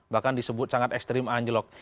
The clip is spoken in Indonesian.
bahkan disebut sangat ekstrim anjlok